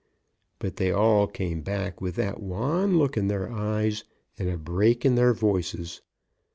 But they all came back with that wan look in their eyes and a break in their voices.